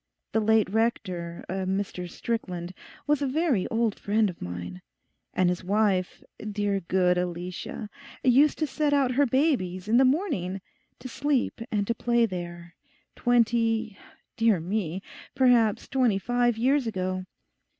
The late rector, a Mr Strickland, was a very old friend of mine. And his wife, dear good Alicia, used to set out her babies, in the morning, to sleep and to play there, twenty, dear me, perhaps twenty five years ago.